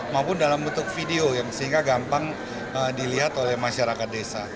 maupun dalam bentuk video yang sehingga gampang dilihat oleh masyarakat desa